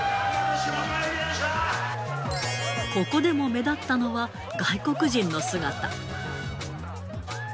ここでも目立ったのは外国人の姿。